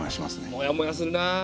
モヤモヤするなあ。